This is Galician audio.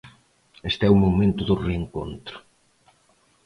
Este é o momento do reencontro.